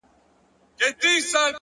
زړه سوي عملونه اوږد مهاله اثر لري.!